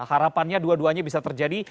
harapannya dua duanya bisa terjadi